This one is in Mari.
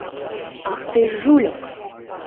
— Ах, тый, жульык!